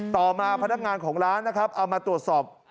ต่อมาพนักงานของร้านนะครับเอามาตรวจสอบ